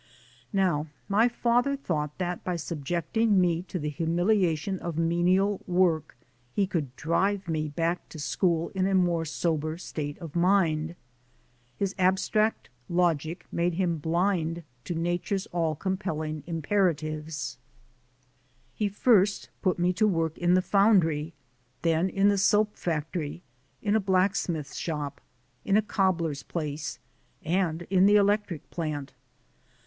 Now my father thought that by subjecting me to the humiliation of menial work, he could drive me back to school in a more sober state of mind. His abstract logic made him blind to Nature's all compelling imperatives. He first 46 THE SOUL OF AN IMMIGRANT put me to work in the foundry, then in the soap factory, in a blacksmith's shop, in a cobbler's place and in the electric plant.